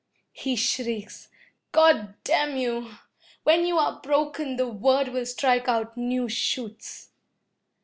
He shrieks, "God damn you! When you are broken, the word will strike out new shoots."